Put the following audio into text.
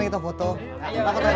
akuinan pressing dari